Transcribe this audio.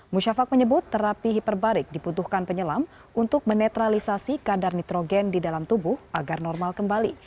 musyafak menyebut terapi hiperbarik diputuhkan penyelam untuk menetralisasi kadar nitrogen di dalam tubuh agar normal kembali